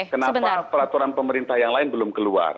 kenapa peraturan pemerintah yang lain belum keluar